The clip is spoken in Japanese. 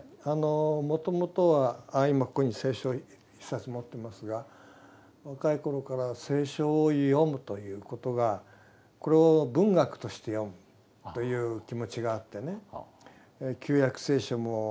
もともとは今ここに聖書を１冊持ってますが若い頃から聖書を読むということがこれを文学として読むという気持ちがあってね「旧約聖書」も「新約聖書」もまあそうですね